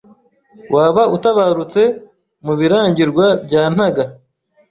Waba utabarutse mu Birangirwa bya Ntaga